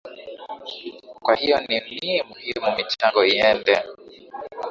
kwa hiyo ni ni muhimu michango iende